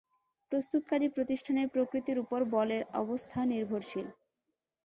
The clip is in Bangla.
প্রস্তুতকারী প্রতিষ্ঠানের প্রকৃতির উপর বলের অবস্থা নির্ভরশীল।